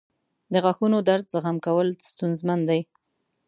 • د غاښونو درد زغم کول ستونزمن دي.